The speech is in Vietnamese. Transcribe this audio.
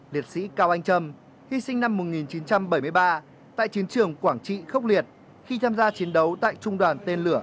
liệt sĩ cao anh trâm hy sinh năm một nghìn chín trăm bảy mươi ba tại chiến trường quảng trị khốc liệt khi tham gia chiến đấu tại trung đoàn tên lửa hai trăm sáu mươi ba